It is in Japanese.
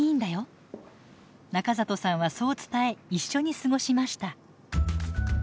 中里さんはそう伝え一緒に過ごしました。